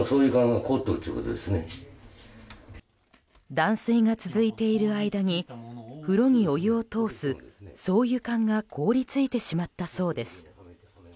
断水が続いている間に風呂にお湯を通す送湯管が凍り付いてしまったそうです。